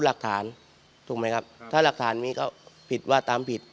หลักฐานถูกไหมครับถ้าหลักฐานมีก็ผิดว่าตามผิด